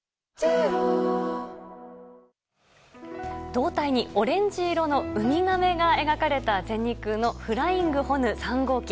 胴体にオレンジ色のウミガメが描かれた全日空のＦＬＹＩＮＧＨＯＮＵ３号機。